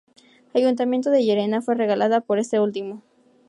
Ayuntamiento de Llerena, fue regalada por este último.